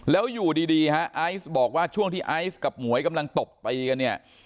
แล้วอยู่ดีฮะไอซ์บอกว่าช่วงที่ไอซ์กับหมวยกำลังตบตีกันเนี่ย